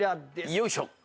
よいしょ。